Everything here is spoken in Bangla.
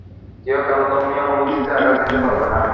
কেউ কারও ধর্মীয় অনুভূতিতে আঘাত দিতে পারবে না।